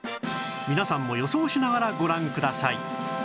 皆さんも予想しながらご覧ください